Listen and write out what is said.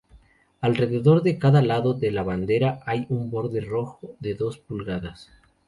Alrededor de cada lado de la bandera, hay un borde rojo de dos pulgadas.